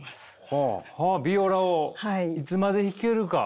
はあヴィオラをいつまで弾けるか。